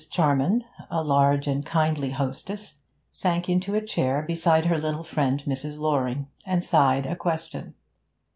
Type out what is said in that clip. Charman, the large and kindly hostess, sank into a chair beside her little friend Mrs. Loring, and sighed a question.